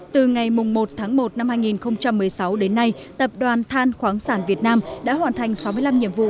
từ ngày một tháng một năm hai nghìn một mươi sáu đến nay tập đoàn than khoáng sản việt nam đã hoàn thành sáu mươi năm nhiệm vụ